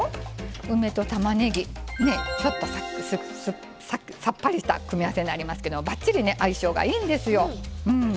梅とたまねぎ、ちょっとさっぱりした組み合わせになりますけどばっちり相性がいいんですよ。